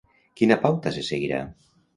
Quina pauta se seguirà?